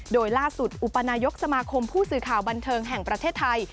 โดยล่าสุดอุปนายกสมาคมผู้สื่อข่าวบันเทิงแห่งประเทศไทย